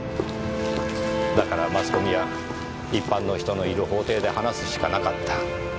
だからマスコミや一般の人のいる法廷で話すしかなかった。